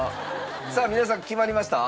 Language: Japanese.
さあ皆さん決まりました？